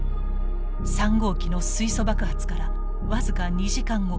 ３号機の水素爆発から僅か２時間後。